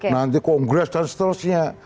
nanti kongres dan seterusnya